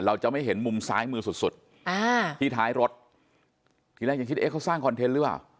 เราจะไม่เห็นมุมซ้ายมือสุดสุดอ่าที่ท้ายรถทีแรกยังคิดเอ๊ะเขาสร้างคอนเทนต์หรือเปล่า